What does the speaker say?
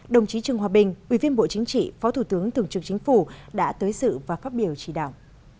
đồng chí trương hòa bình ủy viên bộ chính trị phó thủ tướng thường trực chính phủ đã tới sự và phát biểu chỉ đạo